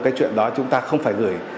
cái chuyện đó chúng ta không phải gửi